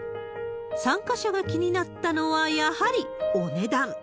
参加者が気になったのは、やはり、お値段。